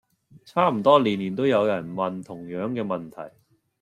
差唔多年年都有人問同樣既問題